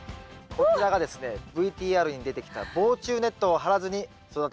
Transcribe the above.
こちらがですねＶＴＲに出てきた防虫ネットを張らずに育てたキャベツでございます。